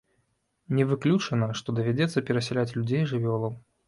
Не выключана, што давядзецца перасяляць людзей і жывёлаў.